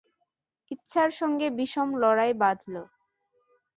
ইচ্ছার সঙ্গে বিষম লড়াই বাধল।